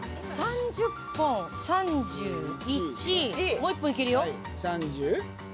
もう１本いけるよ。